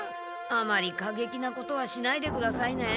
あまり過激なことはしないでくださいね。